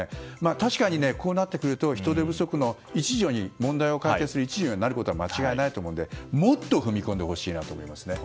確かに、こうなってくると人手不足の問題を解決する一助になることは間違いないと思うのでもっと踏み込んでほしいなと思いますね。